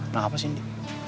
nah apa cindy